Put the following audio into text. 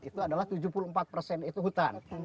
itu adalah tujuh puluh empat persen itu hutan